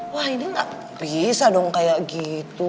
wah ini nggak bisa dong kayak gitu